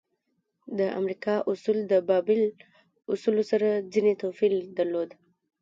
د امریکا اصول د بابل اصولو سره ځینې توپیر درلود.